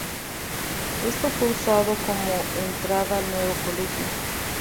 Este fue usado como entrada al nuevo colegio.